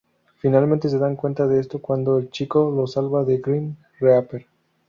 Finalmente se dan cuenta de esto, cuando el chico los salva de Grim Reaper.